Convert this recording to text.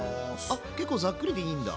あ結構ざっくりでいいんだ。